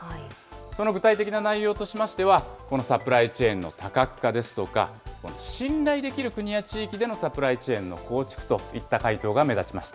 その具体的な内容としましては、このサプライチェーンの多角化ですとか、信頼できる国や地域でのサプライチェーンの構築といった回答が目立ちました。